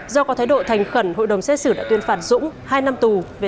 do có thái độ thành khẩn hội đồng xét xử đã tuyên phạt dũng hai năm tù về tội trộm cắp tài sản